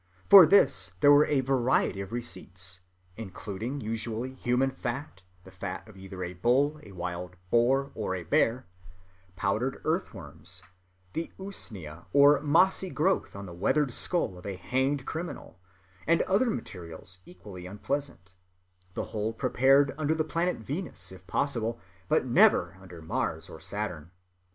For this there were a variety of receipts, including usually human fat, the fat of either a bull, a wild boar, or a bear; powdered earthworms, the usnia, or mossy growth on the weathered skull of a hanged criminal, and other materials equally unpleasant—the whole prepared under the planet Venus if possible, but never under Mars or Saturn.